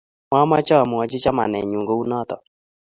Mamache amwachi chamanenyun kou notok